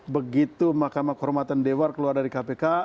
begitu mahkamah kehormatan dewan keluar dari kpk